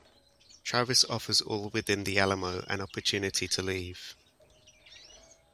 Travis offers all within the Alamo an opportunity to leave.